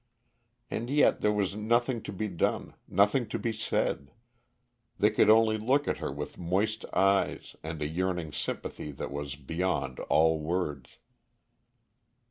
And yet there was nothing to be done, nothing to be said; they could only look at her with moist eyes and a yearning sympathy that was beyond all words.